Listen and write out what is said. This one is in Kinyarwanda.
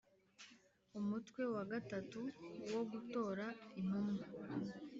umutwe wa gatatu wo gutora intumwa